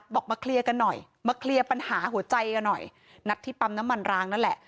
บอกมาไม่น่อยมาปัญหาหัวใจกันหน่อยนัดที่ปำน้ำมันร้างนั่นแหละ